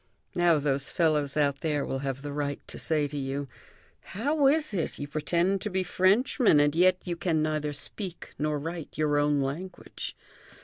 Now those fellows out there will have the right to say to you: 'How is it; you pretend to be Frenchmen, and yet you can neither speak nor write your own language?'